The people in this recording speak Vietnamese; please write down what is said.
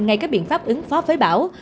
ngay các biện pháp ứng phó với bão